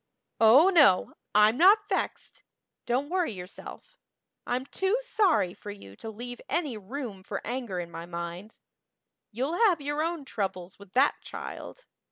Oh, no, I'm not vexed don't worry yourself. I'm too sorry for you to leave any room for anger in my mind. You'll have your own troubles with that child.